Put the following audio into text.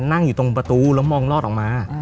นั่งอยู่ตรงประตูแล้วมองรอดออกมา